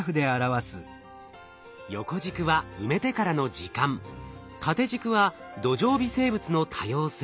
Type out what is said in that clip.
横軸は埋めてからの時間縦軸は土壌微生物の多様性